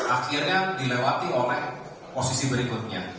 akhirnya dilewati oleh posisi berikutnya